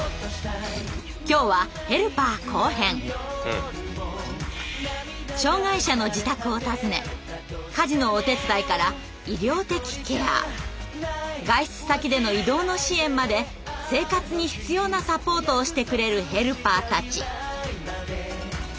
今日は障害者の自宅を訪ね家事のお手伝いから医療的ケア外出先での移動の支援まで生活に必要なサポートをしてくれるヘルパーたち。